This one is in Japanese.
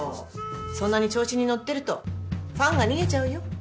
そんなに調子に乗ってるとファンが逃げちゃうよ。